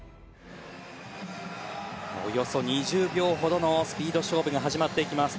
およそ２０秒ほどのスピード勝負が始まっていきます